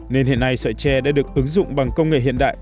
nên hiện nay sợi tre đã được ứng dụng bằng công nghệ hiện đại